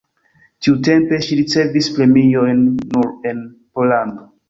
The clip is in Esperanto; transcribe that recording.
Tiutempe ŝi ricevis premiojn nur en Pollando.